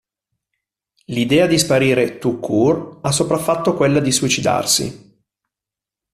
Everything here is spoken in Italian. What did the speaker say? L'idea di sparire, "tout court", ha sopraffatto quella di suicidarsi.